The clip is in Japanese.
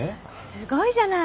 すごいじゃない！